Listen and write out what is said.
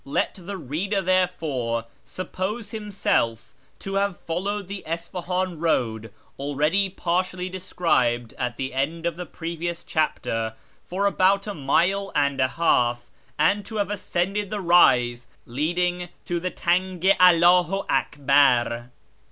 Let the reader, itherefore, suppose himself to have followed the Isfahan road (already partially described at the end of the preceding chapter) for about a mile and a half, and to have ascended the rise [leading to the Tang i AlWiu Aklar.